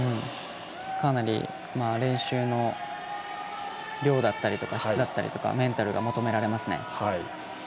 かなり、練習の量だったりとか質だったりとかメンタルが求められますね。